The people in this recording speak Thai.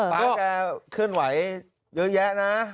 ป๊าแกเคลื่อนไหวเยอะแยะนะ